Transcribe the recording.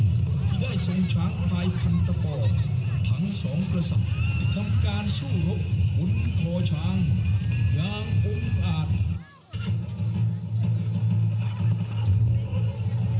นี่เราก็คือชนะพันธกรที่มาธุรกิจทีจากสรุปและเลือกที่ได้ทำการส่งช้างศวรีมีการส่งช้างศวรีจากนั้นไปในตรงนี้